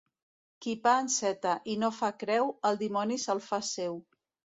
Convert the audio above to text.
Qui pa enceta i no fa creu, el dimoni se'l fa seu.